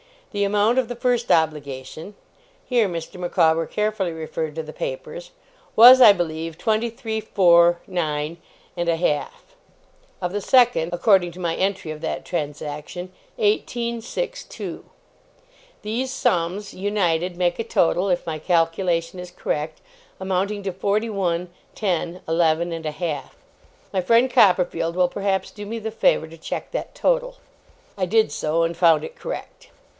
The amount of the first obligation,' here Mr. Micawber carefully referred to papers, 'was, I believe, twenty three, four, nine and a half, of the second, according to my entry of that transaction, eighteen, six, two. These sums, united, make a total, if my calculation is correct, amounting to forty one, ten, eleven and a half. My friend Copperfield will perhaps do me the favour to check that total?' I did so and found it correct.